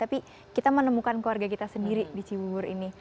tapi kita menemukan keluarga kita sendiri di cibubur ini